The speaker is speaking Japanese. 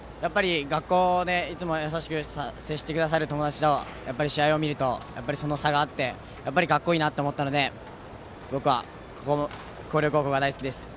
学校でいつも優しく接してくださる友達の試合を見るとその差があってかっこいいなと思ったので僕は、広陵高校が大好きです。